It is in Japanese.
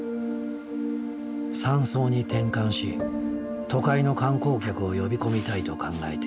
山荘に転換し都会の観光客を呼び込みたいと考えている。